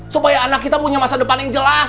supaya anak kita punya masa depan yang jelas